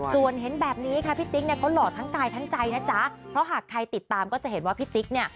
ส่วนเห็นแบบนี้ค่ะพี่ติ๊กเนี่ยเขาหล่อทั้งกายทั้งใจนะจ๊ะเพราะหากใครติดตามก็จะเห็นว่าพี่ติ๊กเนี่ย